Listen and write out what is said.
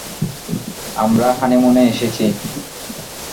আমরা হানিমুনে এসেছি।